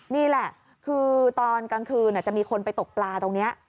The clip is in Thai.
นี่แหละคือตอนกลางคืนจะมีคนไปตกปลาตรงนี้